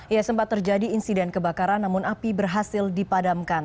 ya sempat terjadi insiden kebakaran namun api berhasil dipadamkan